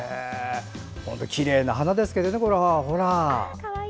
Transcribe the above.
きれいな花ですけどね。